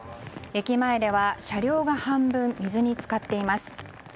駅までは車両が半分水に浸かっています。